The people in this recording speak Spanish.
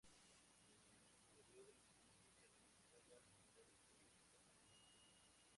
En el interior del edificio se realizaban actividades políticas y administrativas.